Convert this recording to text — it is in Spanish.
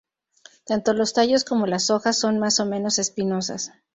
Tanto los tallos como las hojas son más o menos espinosas.